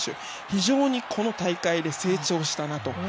非常にこの大会、成長したと。